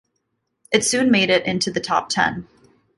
It soon made it into the top ten.